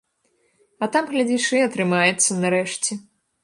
А там, глядзіш, і атрымаецца, нарэшце.